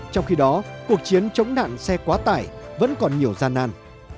trong khi đó cuộc chiến chống nạn xe quá tải vẫn còn nhiều gian nan